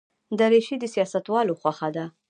دریشي د سیاستوالو خوښه ده.